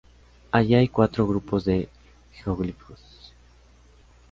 Allí hay cuatro grupos de geoglifos.